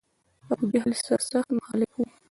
ابوجهل سر سخت مخالف و.